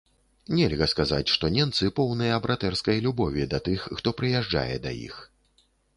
Нельга сказаць, што ненцы поўныя братэрскай любові да тых, хто прыязджае да іх.